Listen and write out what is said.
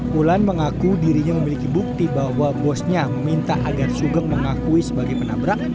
wulan mengaku dirinya memiliki bukti bahwa bosnya meminta agar sugeng mengakui sebagai penabrak